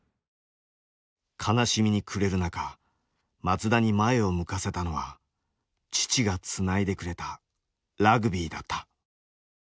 悲しみに暮れる中松田に前を向かせたのは父がつないでくれたラグビーだった。